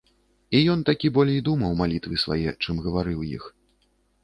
І ён такі болей думаў малітвы свае, чым гаварыў іх.